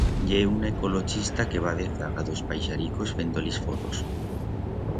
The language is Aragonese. Ye una ecolochista que va dezaga d'os paixaricos fendo-lis fotos.